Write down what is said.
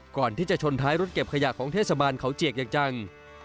ก่อนที่จะชนท้ายรถเก็บขยะของเทศบาลเขาเจียกอย่างจัง